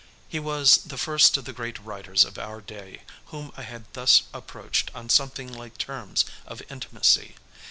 He was the first of the great writers of our day whom I had thus approached on something like terms of intimacy.